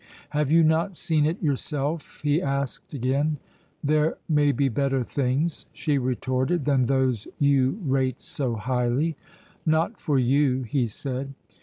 "Have you not seen it yourself?" he asked again. "There may be better things," she retorted, "than those you rate so highly." "Not for you," he said.